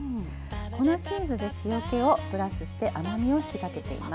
粉チーズで塩気をプラスして甘みを引き立てています。